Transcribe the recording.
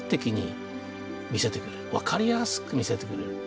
分かりやすく見せてくれる。